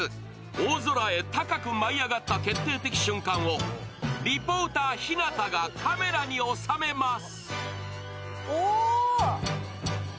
大空へ高く舞い上がった決定的瞬間をリポーター・日向がカメラに収めます。